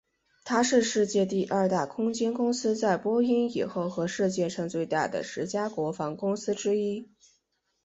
它是世界第二大空间公司在波音以后和世界上最大的十家国防公司之一。